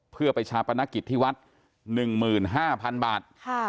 เพื่อไปชาปนกิจที่วัด๑๕๐๐๐บาท